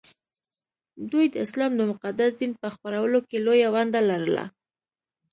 دوی د اسلام د مقدس دین په خپرولو کې لویه ونډه لرله